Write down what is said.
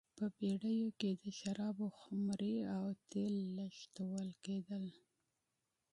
په بېړیو کې د شرابو خُمرې او تېل لېږدول کېدل.